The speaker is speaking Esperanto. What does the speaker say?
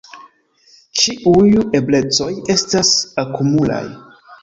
Ĉiuj eblecoj estas akumulaj.